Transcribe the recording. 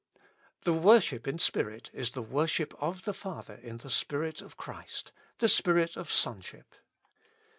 The worship in spirit is the worship of the Father in the Spirit of Christ, the Spirit of Son ship.